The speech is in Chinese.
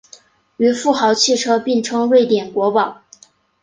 与富豪汽车并称瑞典国宝。